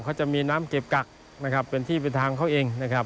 เขาจะมีน้ำเก็บกักนะครับเป็นที่เป็นทางเขาเองนะครับ